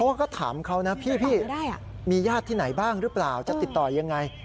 ก็ถามเขานะพี่มีญาติที่ไหนบ้างหรือเปล่าจะติดต่อยังไง